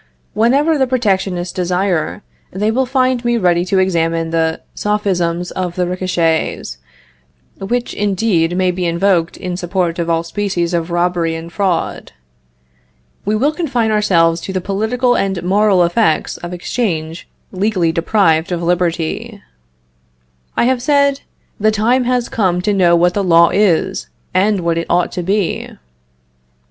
Whenever the protectionists desire, they will find me ready to examine the sophisms of the ricochets, which, indeed, may be invoked in support of all species of robbery and fraud. We will confine ourselves to the political and moral effects of exchange legally deprived of liberty. I have said: The time has come to know what the law is, and what it ought to be.